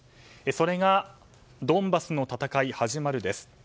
それがドンバスの戦い始まるです。